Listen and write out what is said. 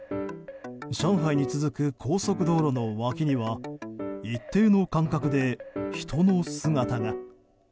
上海に続く高速道路の脇には一定の間隔で人の姿が。